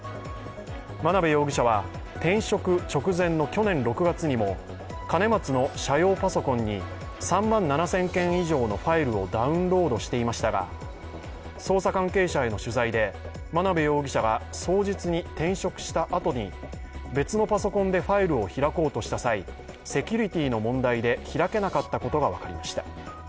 真鍋容疑者は転職直前の去年６月にも兼松の社用パソコンに３万７０００件以上のファイルをダウンロードしていましたが捜査関係者への取材で真鍋容疑者は双日に転職したあとに別のパソコンでファイルを開こうとした際セキュリティーの問題で開けなかったことが分かりました。